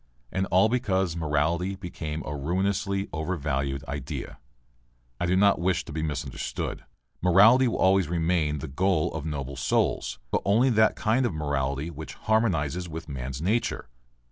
And all because morality became a ruinously overvalued idea. I do not wish to be misunderstood. Morality will always remain the goal of noble souls, but only that kind of morality which harmonizes with man's nature.